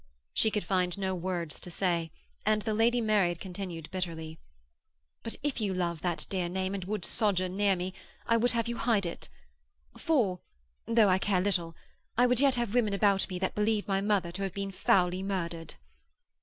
She could find no words to say, and the Lady Mary continued bitterly: 'But if you love that dear name and would sojourn near me I would have you hide it. For though I care little I would yet have women about me that believe my mother to have been foully murdered.'